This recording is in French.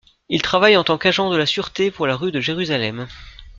Il travaille en tant qu'agent de la Sûreté pour la rue de Jérusalem.